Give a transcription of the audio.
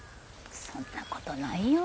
そんなことないよ。